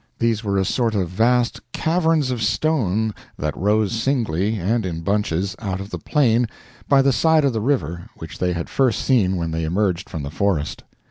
These were a sort of vast caverns of stone that rose singly and in bunches out of the plain by the side of the river which they had first seen when they emerged from the forest.